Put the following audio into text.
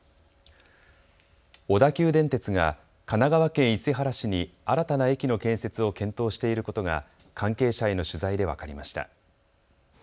小田急電鉄が神奈川県伊勢原市に新たな駅の建設を検討していることが関係者への取材で分かりました。